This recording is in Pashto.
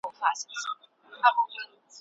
ماشومان له درنو کارونو منع سوي وو.